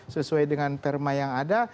sesuai dengan perma yang ada